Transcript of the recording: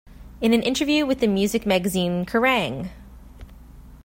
In an interview with the music magazine Kerrang!